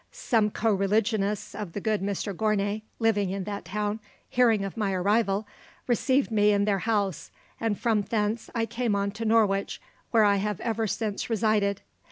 Some co religionists of the good Mr Gournay, living in that town, hearing of my arrival, received me in their house; and from thence I came on to Norwich, where I have ever since resided.